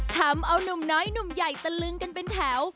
ทำเอานุ่มน้อยหนุ่มใหญ่ตะลึงกันเป็นแถว